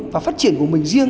và phát triển của mình riêng